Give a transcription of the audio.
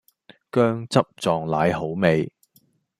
薑汁撞奶好味